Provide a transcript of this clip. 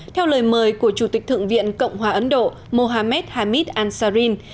theo lời mời của chủ tịch thượng viện cộng hòa ấn độ mohamed hamid ansarin